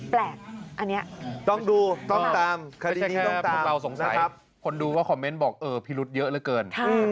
แปลกอันนี้